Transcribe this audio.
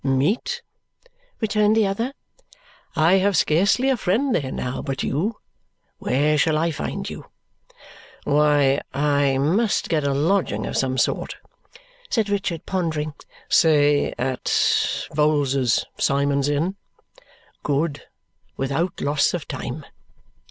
"Meet?" returned the other. "I have scarcely a friend there now but you. Where shall I find you?" "Why, I must get a lodging of some sort," said Richard, pondering. "Say at Vholes's, Symond's Inn." "Good! Without loss of time."